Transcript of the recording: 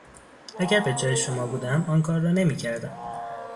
اگر به جای شما بودم آن کار را نمیکردم.